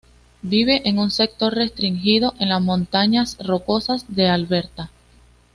Vive en un sector restringido en las Montañas Rocosas de Alberta.